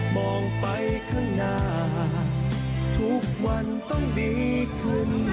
มองไปข้างหน้าทุกวันต้องดีขึ้น